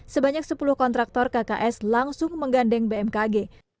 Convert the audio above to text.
sebanyak sepuluh kontraktor kks langsung menggandeng bmkg